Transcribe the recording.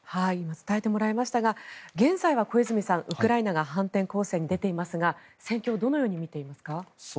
伝えてもらいましたが現在は、小泉さんウクライナが反転攻勢に出ていますが戦況をどのように見ていますか？